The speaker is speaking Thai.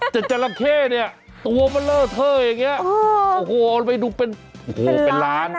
จัดจราเข้เนี่ยตัวเมล็ดเธออย่างเงี้ยโอ้โหเอาไปดูเป็นโอ้โหเป็นล้าน